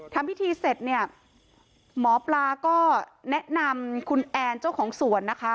ทำพิธีเสร็จเนี่ยหมอปลาก็แนะนำคุณแอนเจ้าของสวนนะคะ